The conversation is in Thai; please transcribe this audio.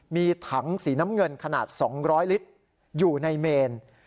มีถังสีน้ำเงินขนาด๒๐๐ลิตรอยู่ในเมน